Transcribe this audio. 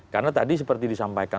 karena tadi seperti disampaikan